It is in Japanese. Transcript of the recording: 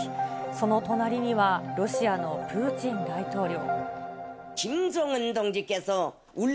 その隣にはロシアのプーチン大統領。